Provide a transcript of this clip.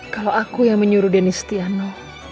kalau aku yang menyuruh dennis tiano